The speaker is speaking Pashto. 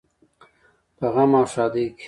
په غم او ښادۍ کې.